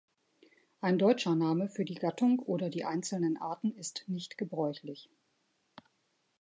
Ein deutscher Name für die Gattung oder die einzelnen Arten ist nicht gebräuchlich.